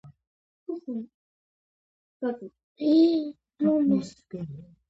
გიორგი მთაწმიდელი ნაყოფიერად იღვწოდა ქართული საეკლესიო ლიტერატურის გამდიდრებისათვის.